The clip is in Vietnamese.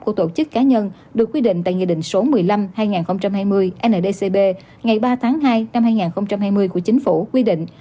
của tổ chức cá nhân được quy định tại nghị định số một mươi năm hai nghìn hai mươi ndcb ngày ba tháng hai năm hai nghìn hai mươi của chính phủ quy định